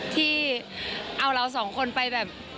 ที่เอาเราสองคนไปแบบ